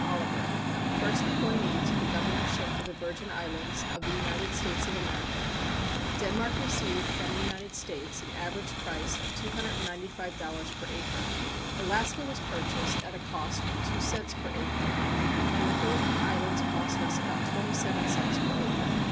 Oliver, first appointee to the Governorship of the Virgin Islands of the United States of America] Denmark received from the United States an average price of $295 per acre. Alaska was purchased at a cost of two cents per acre, and the Philippine Islands cost us about twenty seven cents per acre.